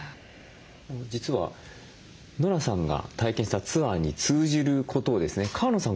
実はノラさんが体験したツアーに通じることをですね川野さん